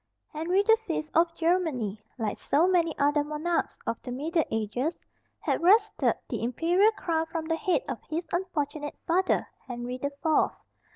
Henry the Fifth of Germany, like so many other monarchs of the middle ages, had wrested the imperial crown from the head of his unfortunate father, Henry the Fourth.